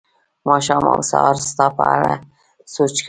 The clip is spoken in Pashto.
ماښام او سهار ستا په اړه سوچ کوم